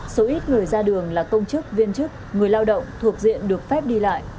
số ít người ra đường là công chức viên chức người lao động thuộc diện được phép đi lại